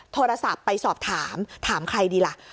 โทรศัพท์ไปสอบถามถามใครดีล่ะ